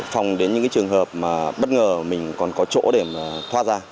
phòng đến những trường hợp bất ngờ mình còn có chỗ để thoát ra